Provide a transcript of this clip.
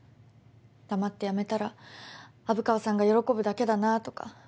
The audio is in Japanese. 黙って辞めたら虻川さんが喜ぶだけだなとか。